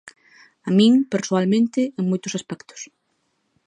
A min, persoalmente, en moitos aspectos.